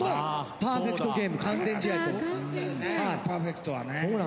パーフェクトはね。